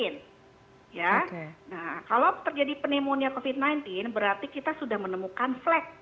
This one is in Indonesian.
nah kalau terjadi pneumonia covid sembilan belas berarti kita sudah menemukan flag